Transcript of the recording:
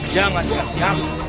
jangan kasih hampa